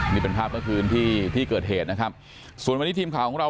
นี่เป็นภาพเมื่อคืนที่ที่เกิดเหตุนะครับส่วนวันนี้ทีมข่าวของเรา